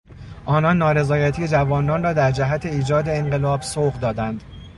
آنان نارضایتی جوانان را در جهت ایجاد انقلاب سوق دادند.